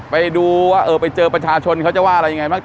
ไปดูไปเจอประชาชนเขาจะว่าอะไรอย่างไร